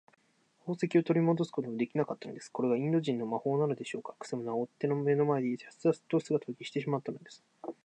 宝石をとりもどすこともできなかったのです。これがインド人の魔法なのでしょうか。くせ者は追っ手の目の前で、やすやすと姿を消してしまったのです。